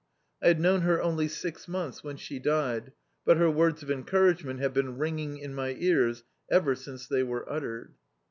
I had known her only six months when she died, but her words of encour agement have been ringing in my cars ever since they were uttered.